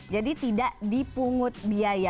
jadi tidak dipungut biaya